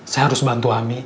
saya harus bantu